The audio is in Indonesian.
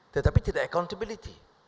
tetapi tidak accountability